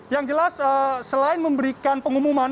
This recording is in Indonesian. yang jelas selain memberikan pengumuman